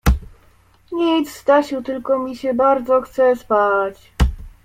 — Nic, Stasiu, tylko mi się bardzo chce spać.